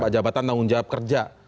jabatan tanggung jawab kerja